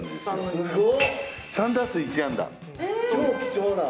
「すごい！」